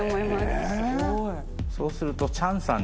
そうすると森川）